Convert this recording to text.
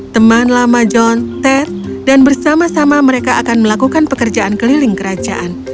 teman lama john ten dan bersama sama mereka akan melakukan pekerjaan keliling kerajaan